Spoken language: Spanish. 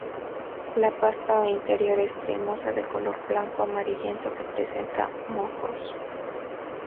La pasta o interior es cremosa, de color blanco amarillento que presenta mohos.